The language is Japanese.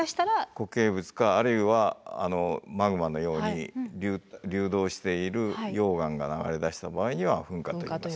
固形物かあるいはマグマのように流動している溶岩が流れ出した場合には噴火と呼びます。